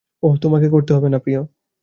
ওহ, তোমাকে করতে হবেনা, প্রিয়।